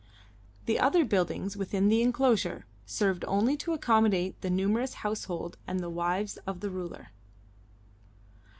The other buildings within the enclosure served only to accommodate the numerous household and the wives of the ruler.